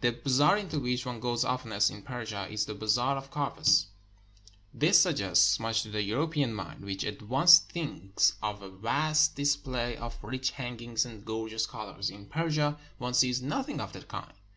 The bazaar into which one goes oftenest in Persia is the Bazaar of Carpets. This suggests much to the Euro pean mind, which at once thinks of a vast display of rich hangings and gorgeous colors. In Persia one sees noth ing of the kind.